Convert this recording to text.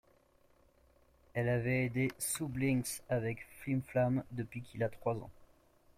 Elle avait aidé Sue Blinks avec Flim Flam depuis qu'il a trois ans.